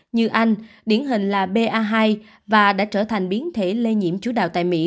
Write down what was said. như anh điển hình là ba hai và đã trở thành biến thể lây nhiễm chủ đào tại mỹ